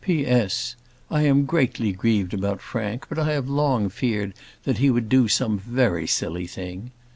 P.S. I am greatly grieved about Frank; but I have long feared that he would do some very silly thing.